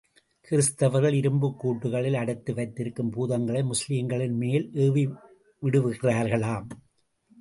கிறிஸ்தவர்கள் இரும்புக்கூண்டுகளில் அடைத்து வைத்திருக்கும் பூதங்களை முஸ்லிம்களின் மேல் ஏவிவிடுகிறார்களாம்.